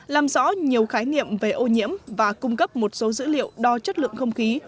làm rõ nhiều khái niệm về ô nhiễm và cung cấp một số dữ liệu đo chất lượng không khí